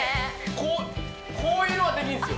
こうこういうのはできるんっすよ